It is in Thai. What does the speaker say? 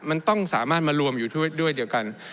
มันต้องสามารถมารวมอยู่ด้วยเดียวกัน